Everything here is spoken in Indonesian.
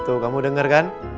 tuh kamu denger kan